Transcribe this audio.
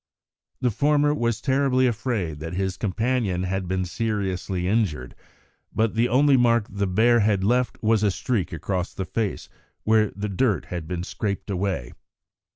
The former was terribly afraid that his companion had been seriously injured, but the only mark the bear had left was a streak across the face where the dirt had been scraped away.